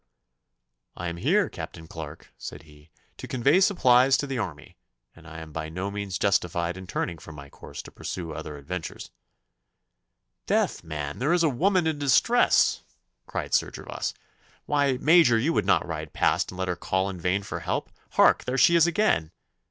'I am here, Captain Clarke,' said he, 'to convey supplies to the army, and I am by no means justified in turning from my course to pursue other adventures.' 'Death, man! there is a woman in distress,' cried Sir Gervas. 'Why, Major, you would not ride past and let her call in vain for help? Hark, there she is again!